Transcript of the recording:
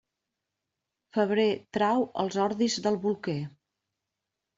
Febrer trau els ordis del bolquer.